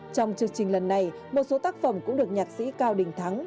trong chương trình lần này một số tác phẩm cũng được nhạc sĩ cao đình thắng